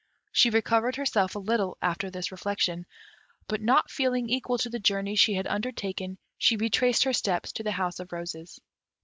She recovered herself a little after this reflection, but not feeling equal to the journey she had undertaken, she retraced her steps to the House of Roses.